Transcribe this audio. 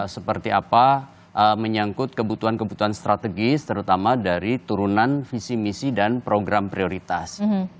seperti apa menyangkut kebutuhan kebutuhan strategis terutama dari turunan visi misi dan program prioritas